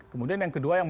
kemudian yang kedua yang